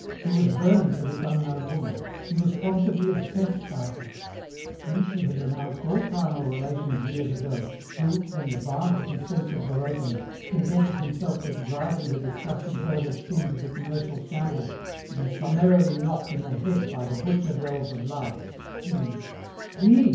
He was burning for this unknown woman. He was positively obsessed by her. He who had renounced all carnal relations years ago, who, when the barns of his senses were opened, contented himself with driving the disgusting herd of sin to the commercial shambles to be summarily knocked in the head by the butcher girls of love, he, he!